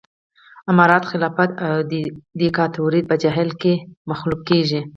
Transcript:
امارت خلافت او ديکتاتوري به جاهل مخلوق کېږي